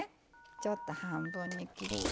ちょっと半分に切って。